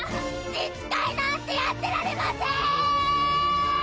自治会なんてやってられません！